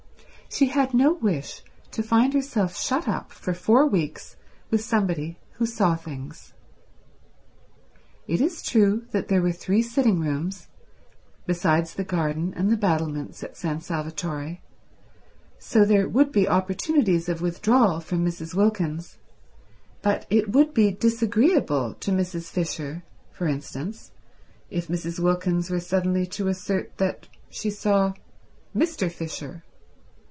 She had no wish to find herself shut up for four weeks with somebody who saw things. It is true that there were three sitting rooms, besides the garden and the battlements at San Salvatore, so that there would be opportunities of withdrawal from Mrs. Wilkins; but it would be disagreeable to Mrs. Fisher, for instance, if Mrs. Wilkins were suddenly to assert that she saw Mr. Fisher.